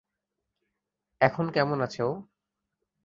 এখন কেমন আছে ও?